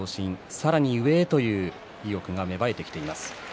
さらに上へという意欲が芽生えてきています。